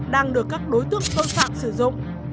đang được các đối tượng tội phạm sử dụng